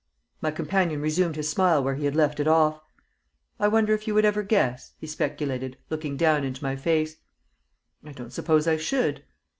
My companion resumed his smile where he had left it off. "I wonder if you would ever guess?" he speculated, looking down into my face. "I don't suppose I should."